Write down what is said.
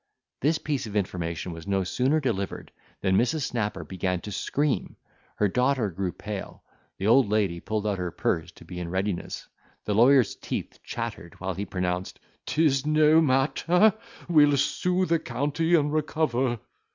This piece of information was no sooner delivered, than Mrs. Snapper began to scream, her daughter grew pale, the old lady pulled out her purse to be in readiness, the lawyer's teeth chattered, while he pronounced, "'Tis no matter—we'll sue the county and recover."